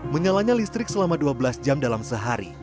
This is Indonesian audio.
menyalanya listrik selama dua belas jam dalam sehari